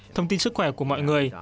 thông tin sức khỏe của mọi người